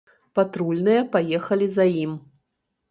Патрульныя паехалі за ім.